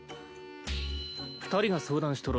２人が相談しとる